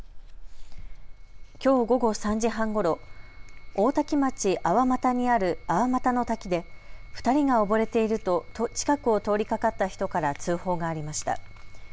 きょう午後３時半ごろ、大多喜町粟又にある粟又の滝で２人が溺れていると近くを通りかかった人から通報がありました。